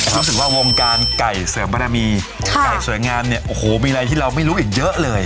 รู้สึกว่าวงการไก่เสริมบารมีไก่สวยงามเนี่ยโอ้โหมีอะไรที่เราไม่รู้อีกเยอะเลย